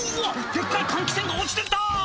デッカい換気扇が落ちてきた！」